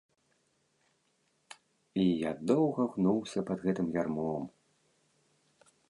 І я доўга гнуўся пад гэтым ярмом.